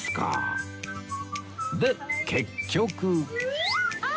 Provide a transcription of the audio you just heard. で結局